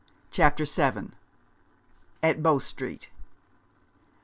CHAPTER VII. AT BOW STREET.